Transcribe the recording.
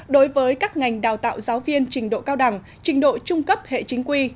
đối với các ngành đào tạo giáo viên trình độ cao đẳng trình độ trung cấp hệ chính quy